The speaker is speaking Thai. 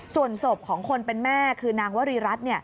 ส่วนศพของคนเป็นแม่คือนางวรีรัฐ